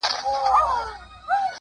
د ژوند مانا په اغېزمن حضور کې ده.!